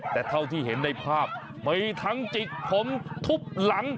แต่เท่าที่เห็นในภาพมีทั้งจิกผมทุบหลัง